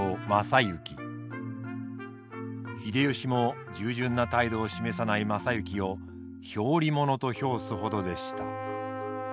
秀吉も従順な態度を示さない昌幸を表裏者と評すほどでした。